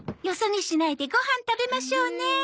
よそ見しないでご飯食べましょうね。